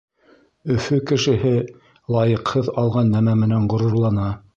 Өфө кешеһе лайыҡһыҙ алған нәмә менән ғорурлана.